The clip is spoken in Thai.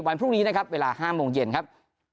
วันพรุ่งนี้นะครับเวลา๕โมงเย็นครับ